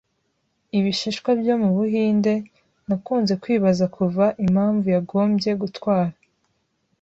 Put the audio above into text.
Ibishishwa byo mu Buhinde. Nakunze kwibaza kuva impamvu yagombye gutwara